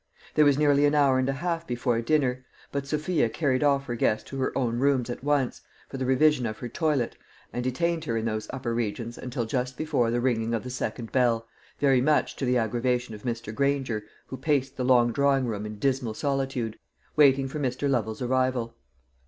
There was nearly an hour and a half before dinner; but Sophia carried off her guest to her own rooms at once, for the revision of her toilet, and detained her in those upper regions until just before the ringing of the second bell, very much to the aggravation of Mr. Granger, who paced the long drawing room in dismal solitude, waiting for Mr. Lovel's arrival.